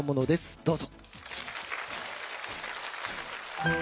どうぞ。